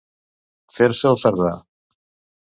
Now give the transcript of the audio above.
Fer-se el cerdà.